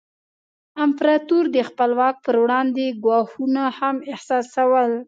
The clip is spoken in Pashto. امپراتور د خپل واک پر وړاندې ګواښونه هم احساسول.